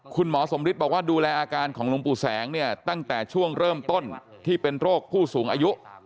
คุณหมอสมฤทธิ์บอกว่าดูแลอาการของหลวงปู่แสงเนี่ยตั้งแต่ช่วงเริ่มต้นที่เป็นโรคผู้สูงอายุ